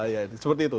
ya seperti itu